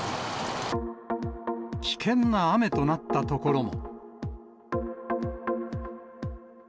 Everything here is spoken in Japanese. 危険な雨となった所も。